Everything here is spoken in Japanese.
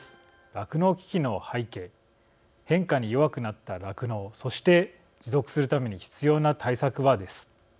酪農危機の背景変化に弱くなった酪農そして持続するために何が必要なのか。